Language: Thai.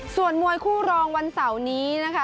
ส่วนมวยคู่รองวันเสาร์นี้นะคะ